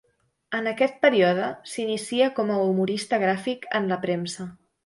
En aquest període s'inicia com a humorista gràfic en la premsa.